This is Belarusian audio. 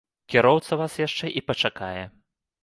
Кіроўца вас яшчэ і пачакае.